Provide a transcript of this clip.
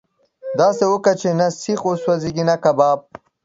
داسي وکه چې نه سيخ وسوځي نه کباب.